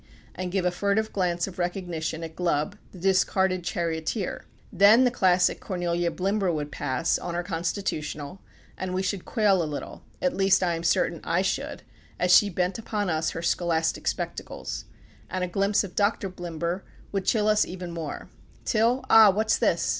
and give a furtive glance of recognition at Glubb, the discarded charioteer. Then the classic Cornelia Blimber would pass, on her constitutional, and we should quail a little at least I am certain I should as she bent upon us her scholastic spectacles; and a glimpse of Dr. Blimber would chill us even more; till ah! what's this?